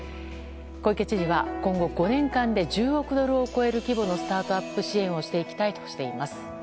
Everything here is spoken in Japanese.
小池知事は今後５年間で１０億ドルを超える規模のスタートアップ支援をしていきたいとしています。